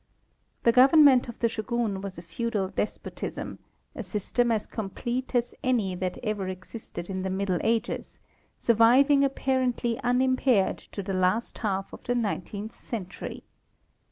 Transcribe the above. The government of the Shogun was a feudal despotism, a system as complete as any that ever existed in the middle ages, surviving apparently un impaired to the last half of the nineteenth century.